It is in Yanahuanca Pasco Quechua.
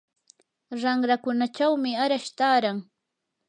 ranrakunachawmi arash taaran.